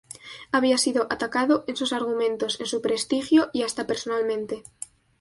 Había sido atacado en sus argumentos, en su prestigio y hasta personalmente.